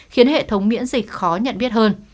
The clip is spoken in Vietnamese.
khiến hệ thống miễn dịch khó nhận biết hơn